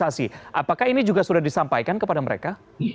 apakah ini juga sudah disampaikan kepada mereka